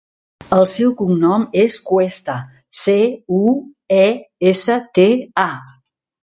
El seu cognom és Cuesta: ce, u, e, essa, te, a.